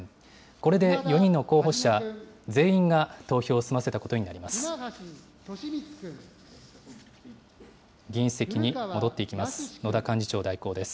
これで４人の候補者、全員が投票を済ませたことになります。